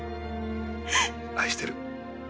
愛してる。